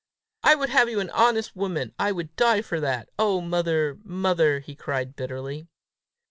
"I would have you an honest woman! I would die for that! Oh, mother! mother!" he cried bitterly.